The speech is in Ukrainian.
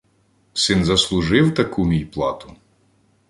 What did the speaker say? Син заслужив таку мій плату?